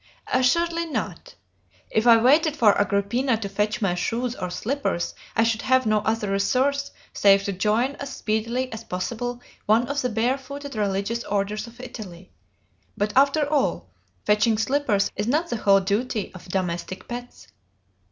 Assuredly not. If I waited for Agrippina to fetch me shoes or slippers, I should have no other resource save to join as speedily as possible one of the barefooted religious orders of Italy. But after all, fetching slippers is not the whole duty of domestic pets.